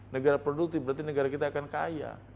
negara produktif berarti negara kita akan kaya